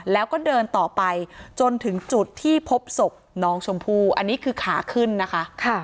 แล้วก็เดินต่อไปจนถึงจุดที่พบศพน้องชมพู่อันนี้คือขาขึ้นนะคะ